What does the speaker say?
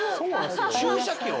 注射器を？